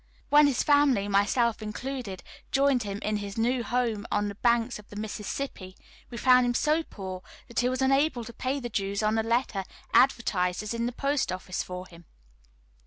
When his family, myself included, joined him in his new home on the banks of the Mississippi, we found him so poor that he was unable to pay the dues on a letter advertised as in the post office for him.